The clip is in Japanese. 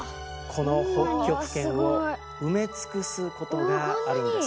この北極圏を埋め尽くすことがあるんです。